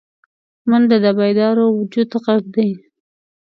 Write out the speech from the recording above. منډه د بیدار وجود غږ دی